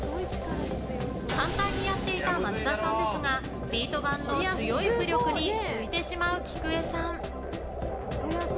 簡単にやっていた松田さんですがビート板の浮力に浮いてしまう、きくえさん。